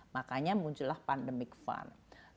makanya muncullah pandemic fund